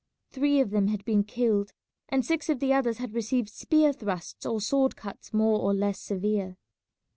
Three of them had been killed and six of the others had received spear thrusts or sword cuts more or less severe.